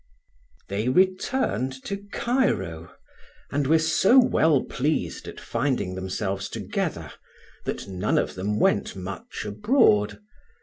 THEY returned to Cairo, and were so well pleased at finding themselves together that none of them went much abroad.